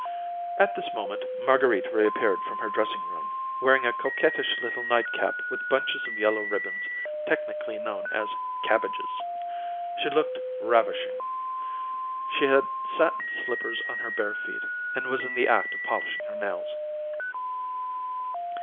At this moment Marguerite reappeared from her dressing room, wearing a coquettish little nightcap with bunches of yellow ribbons, technically known as "cabbages." She looked ravishing. She had satin slippers on her bare feet, and was in the act of polishing her nails.